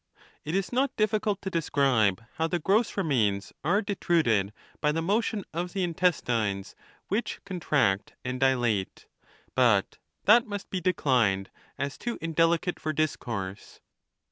It is not difficult to describe how the gross remains are detruded by the motion of the intestines, which contract and dilate; but that must be declined, as too indelicate for discourse.